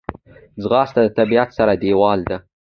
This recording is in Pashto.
ځغاسته د طبیعت سره یووالی دی